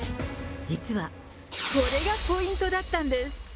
実は、これがポイントだったんです。